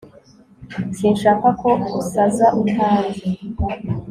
sinshaka ko usaza utanzi